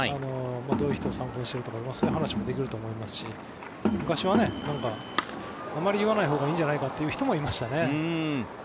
どういう人を参考にしているとかそういう話もできると思いますし昔はあまり言わないほうがいいんじゃないかという人もいましたね。